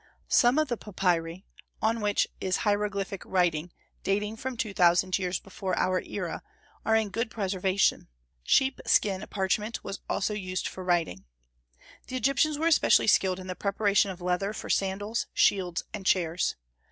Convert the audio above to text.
Some of the papyri, on which is hieroglyphic writing dating from two thousand years before our era, are in good preservation. Sheep skin parchment also was used for writing. The Egyptians were especially skilled in the preparation of leather for sandals, shields, and chairs.